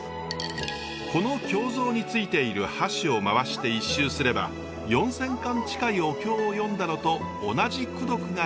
この経蔵についている把手を回して１周すれば４，０００巻近いお経を読んだのと同じ功徳が得られるといいます。